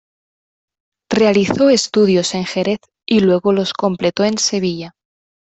Realizó estudios en Jerez y luego los completó en Sevilla.